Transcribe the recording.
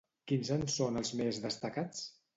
Quins en són els més destacats?